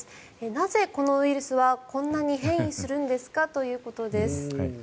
なぜ、このウイルスはこんなに変異するんですかということですね。